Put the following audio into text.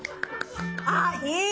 あっいい！